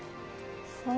そう。